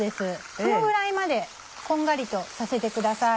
このぐらいまでこんがりとさせてください。